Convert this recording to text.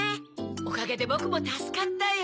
おかげでボクもたすかったよ。